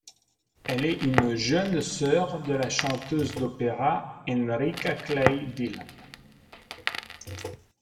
Elle est une jeune sœur de la chanteuse d’opéra Enrica Clay Dillon.